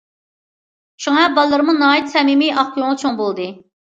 شۇڭا، بالىلىرىمۇ ناھايىتى سەمىمىي، ئاق كۆڭۈل چوڭ بولدى.